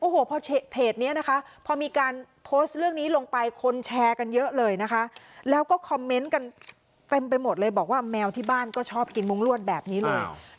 โอ้โหพอเพจนี้นะคะพอมีการโพสต์เรื่องนี้ลงไปคนแชร์กันเยอะเลยนะคะแล้วก็คอมเมนต์กันเต็มไปหมดเลยบอกว่าแมวที่บ้านก็ชอบกินมุ้งลวดแบบนี้เลย